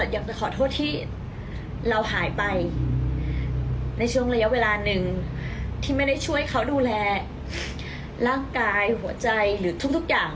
อยากจะขอโทษที่เราหายไปในช่วงระยะเวลาหนึ่งที่ไม่ได้ช่วยเขาดูแลร่างกายหัวใจหรือทุกอย่าง